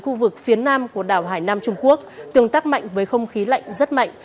khu vực phía nam của đảo hải nam trung quốc tương tác mạnh với không khí lạnh rất mạnh